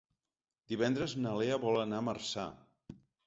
Divendres na Lea vol anar a Marçà.